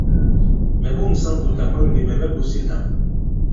Mɛ̌ ɓòŋsa ŋ̀kùtà mwɛŋ, nì mɛ̀ mɛ̀ ɓos i ǹndāw.